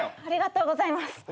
ありがとうございます。